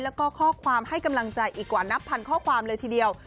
แล้วก็ข้อความให้กำลังใจอีกกว่านับพันข้อความเลยทีเดียว